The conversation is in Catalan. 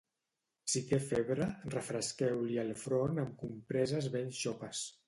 Si té febre, refresqueu-li el front amb compreses ben xopes.